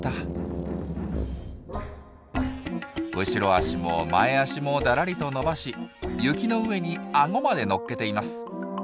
後ろ足も前足もだらりと伸ばし雪の上にアゴまで乗っけています。